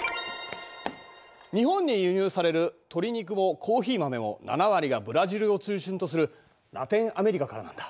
日本に輸入される鶏肉もコーヒー豆も７割がブラジルを中心とするラテンアメリカからなんだ。